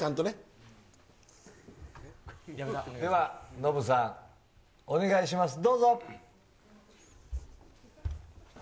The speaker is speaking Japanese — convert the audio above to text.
では、ノブさん、お願いします、どうぞ。